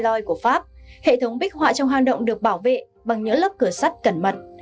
đây là hệ thống bích họa trong hang động được bảo vệ bằng những lớp cửa sắt cẩn mật